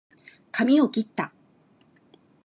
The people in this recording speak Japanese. かみをきった